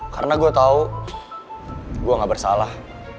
karena gue tau gue gak bersalah